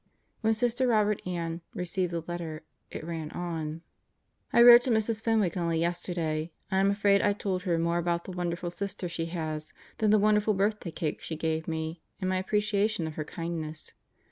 When Sister Robert Ann received the letter, it ran on: I wrote to Mrs. Fenwick only yesterday and I'm afraid I told her more about the wonderful sister she has than the wonderful birthday cake she gave me and my appreciation of her kindness.